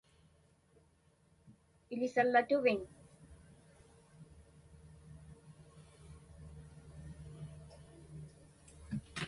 Iḷisallatuviñ?